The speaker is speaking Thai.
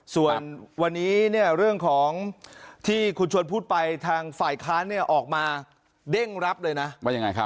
ส่วนวันนี้เรื่องของที่คุณชวนพูดไปทางฝ่ายค้านออกมาเด้งรับเลยนะ